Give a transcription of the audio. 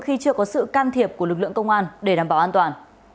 khi chưa có sự can thiệp của lực lượng công an để đảm bảo an toàn